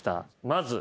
まず。